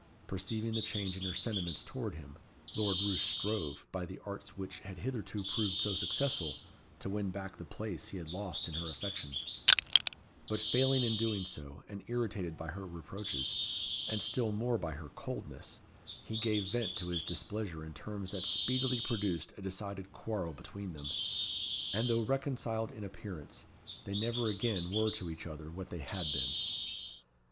Perceiving the change in her sentiments towards him, Lord Roos strove, by the arts which had hitherto proved so successful, to win back the place he had lost in her affections; but failing in doing so, and irritated by her reproaches, and still more by her coldness, he gave vent to his displeasure in terms that speedily produced a decided quarrel between them; and though reconciled in appearance, they never again were to each other what they had been.